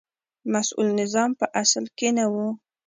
مسوول نظام په اصل کې نه و.